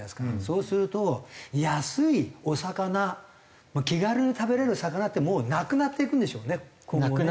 そうすると安いお魚気軽に食べられる魚ってもうなくなっていくんでしょうね今後ね。